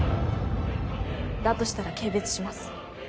だとしたら軽蔑します。